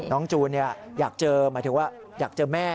น้องจูนเนี่ยอยากเจอหมายถึงว่าอยากเจอแม่